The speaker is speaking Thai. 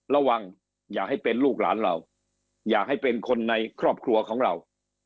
ระวังอย่าให้เป็นลูกหลานเราอย่าให้เป็นคนในครอบครัวของเรา